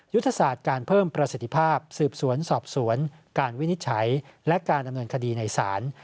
ยุทธศาสตร์การเพิ่มประสิทธิภาพสืบสวนสอบสวนการวินิจฉัยและการดำเนินคดีในศาล